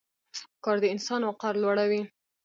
کار د انسان وقار لوړوي.